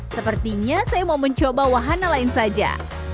sepertinya saya mau mencoba wahana lain saja